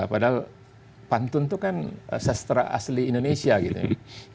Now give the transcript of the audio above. padahal pantun itu kan sastra asli indonesia gitu ya